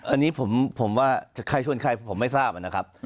อันนี้ผมว่าใครชวนใครผมไม่ทราบนะครับ